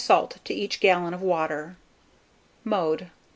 salt to each gallon of water. Mode.